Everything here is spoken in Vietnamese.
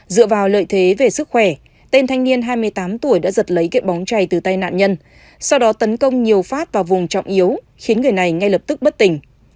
dựa vào lợi thế về sức khỏe tên thanh niên hai mươi tám tuổi đã giật lấy kiện bóng chảy từ tay nạn nhân sau đó tấn công nhiều phát vào vùng trọng yếu khiến người này ngay lập tức bất tỉnh